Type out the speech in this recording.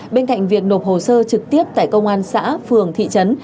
bên cạnh việc nộp hồ sơ trực tiếp tại công an xã phường thị trấn